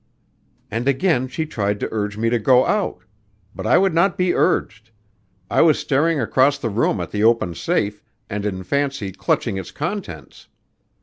And again she tried to urge me to go out. But I would not be urged. I was staring across the room at the open safe and in fancy clutching its contents.